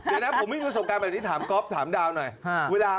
เดี๋ยวนะผมมีความสงครามแบบนี้ถามก๊อฟถามดาวน์หน่อย